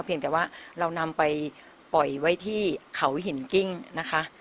แต่ว่าเรานำไปปล่อยไว้ที่เขาหินกิ้งนะคะ